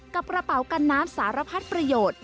กระเป๋ากันน้ำสารพัดประโยชน์